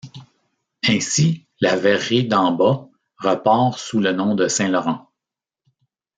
Ainsi, la verrerie d'En-Bas repart sous le nom de Saint-Laurent.